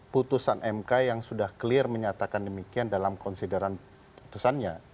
putusan mk yang sudah clear menyatakan demikian dalam konsideran putusannya